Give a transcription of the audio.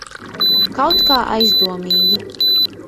Kaut kā aizdomīgi.